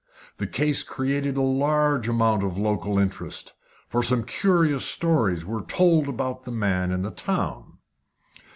The case created a large amount of local interest, for some curious stories were told about the man in the town.